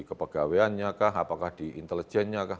kepegawaiannya kah apakah di intelijennya kah